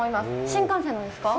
新幹線のですか？